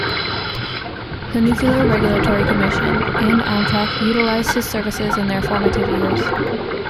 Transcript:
The Nuclear Regulatory Commission and Amtrak utilized his services in their formative years.